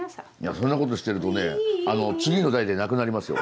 そんな事してるとね次の代でなくなりますよ。